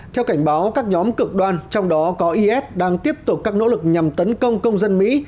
theo cảnh báo các nhóm cực đoan trong đó có is đang tiếp tục các nỗ lực nhằm tấn công công dân mỹ